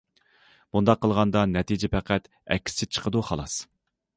بۇنداق قىلغاندا نەتىجە پەقەت ئەكسىچە چىقىدۇ خالاس.